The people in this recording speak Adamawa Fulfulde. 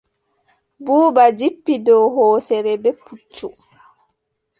Buuba jippi dow hooseere bee puccu.